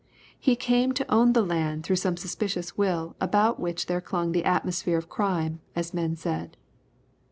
He came to own the land through some suspicious will about which there clung the atmosphere of crime, as men said.